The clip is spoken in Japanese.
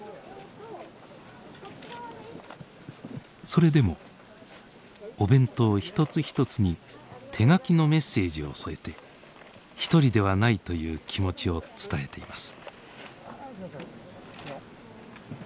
それでもお弁当一つ一つに手書きのメッセージを添えて「一人ではない」という気持ちを伝えています。